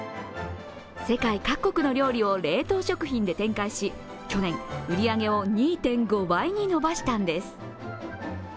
世界各国の料理を冷凍食品で展開し去年、売り上げを２．５倍に伸ばしたんです。